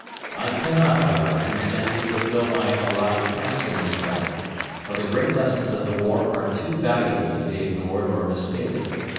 I cannot, however, consent to fulfill my allotted task in this way, for the great lessons of the war are too valuable to be ignored or misstated.